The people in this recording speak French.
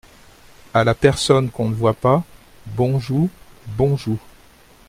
A la personne qu’on ne voit pas Bonjou… bonjou.